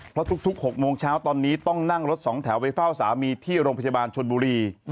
เพราะทุก๖โมงเช้าตอนนี้ต้องนั่งรถสองแถวไปเฝ้าสามีที่โรงพยาบาลชนบุรี